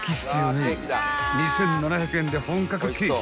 ［２，７００円で本格ケーキ